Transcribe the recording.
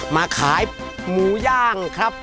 มาขายหมูย่างครับ